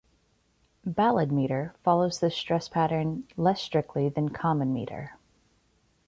Ballad metre follows this stress pattern less strictly than common metre.